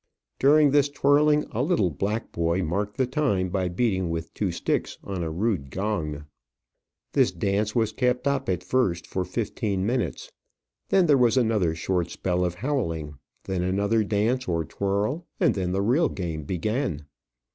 During this twirling, a little black boy marked the time, by beating with two sticks on a rude gong. This dance was kept up at first for fifteen minutes. Then there was another short spell of howling; then another dance, or twirl; and then the real game began.